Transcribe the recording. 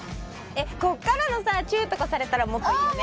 こっからのさチューとかされたらもっといいよね。